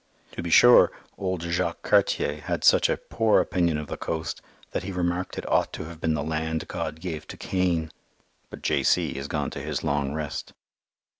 To be sure, old Jacques Cartier had such a poor opinion of the coast that he remarked it ought to have been the land God gave to Cain. But J.C. has gone to his long rest.